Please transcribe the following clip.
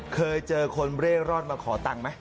เคยเจอคนเร่ร่อนมาขอตังค์ไหม